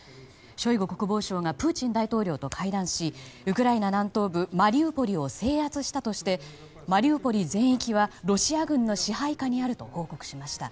ショイグ国防相がプーチン大統領と会談しウクライナ南東部マリウポリを制圧したとしてマリウポリ全域はロシア軍の支配下にあると報告しました。